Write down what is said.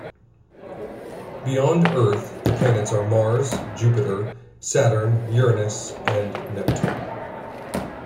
Beyond Earth, the planets are Mars, Jupiter, Saturn, Uranus and Neptune.